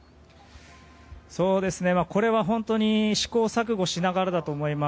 これは本当に試行錯誤しながらだと思います。